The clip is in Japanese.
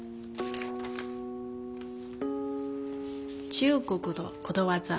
中国のことわざ。